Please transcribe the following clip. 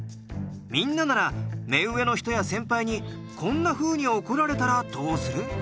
みんななら目上の人や先輩にこんなふうに怒られたらどうする？